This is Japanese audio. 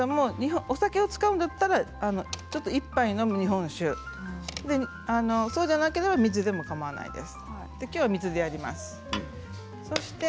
お酒を使うんだったら１杯飲む日本酒そうじゃなければ水でもかまわないです。